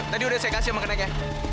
tadi udah saya kasih makan aja